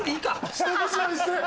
下ごしらえして！